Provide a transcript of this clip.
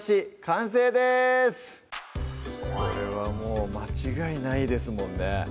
これはもう間違いないですもんね